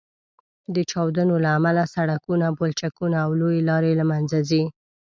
د چاودنو له امله سړکونه، پولچکونه او لویې لارې له منځه ځي